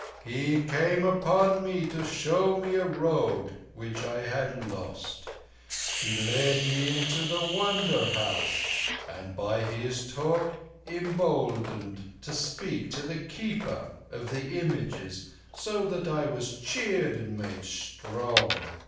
"He came upon me to show me a road which I had lost. He led me into the Wonder House, and by his talk emboldened me to speak to the Keeper of the Images, so that I was cheered and made strong.